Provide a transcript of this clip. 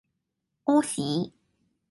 屙屎